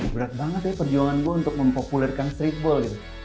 berat banget ya perjuangan gue untuk mempopulerkan streetball gitu